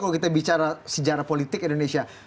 kalau kita bicara sejarah politik indonesia